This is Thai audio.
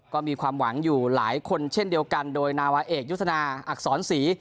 ก็มีความหวังอยู่หลายคนเช่นเดียวกันโดยนาวาเอกยุทธนาอักษรศรี